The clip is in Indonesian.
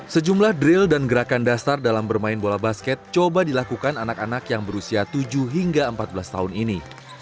sejumlah drill dan gerakan dasar dalam bermain bola basket coba dilakukan anak anak yang berusia tujuh hingga empat belas tahun ini